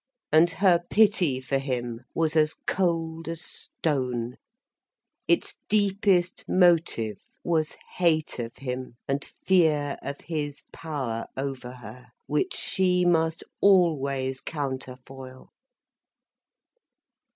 And her pity for him was as cold as stone, its deepest motive was hate of him, and fear of his power over her, which she must always counterfoil.